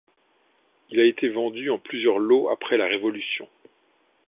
Il a été vendu en plusieurs lots après la révolution.